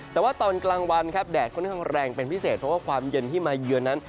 แต่ว่าตอนกลางวันครับแดดค่อนข้างแรงเป็นพิเศษเพราะว่าความเย็นที่มาเยือนนั้น